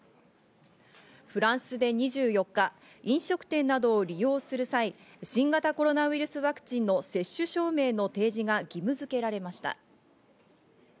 フランスで２４日、飲食店などを利用する際、新型コロナウイルスワクチンの接種証明の提示が義務付けられました。